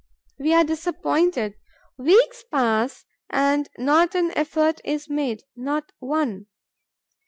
We are disappointed. Weeks pass and not an effort is made, not one.